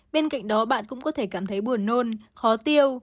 bên cạnh đó bạn cũng có thể cảm thấy buồn nôn khó tiêu